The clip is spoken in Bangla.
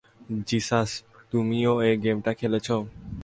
জিসাস - তুমিও এই গেমটা খেলেছো?